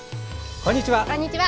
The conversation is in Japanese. こんにちは。